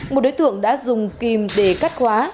một đối tượng đã dùng kim để cắt khóa